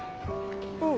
うん。